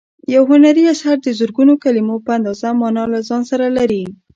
یو هنري اثر د زرګونو کلیمو په اندازه مانا له ځان سره لري.